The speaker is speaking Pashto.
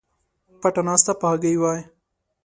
پټه ناسته په هګۍ وای